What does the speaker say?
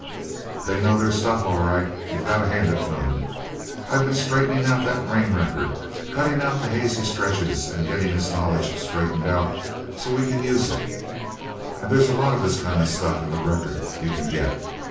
"They know their stuff, all right you've got to hand it to 'em. I've been straightening out that brain record cutting out the hazy stretches and getting his knowledge straightened out so we can use it, and there's a lot of this kind of stuff in the record you can get.